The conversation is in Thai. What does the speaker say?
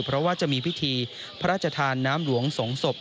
เพราะว่าจะมีพิธีพระราชทานน้ำหลวงสงศพ